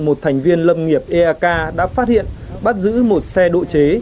một thành viên lâm nghiệp eak đã phát hiện bắt giữ một xe độ chế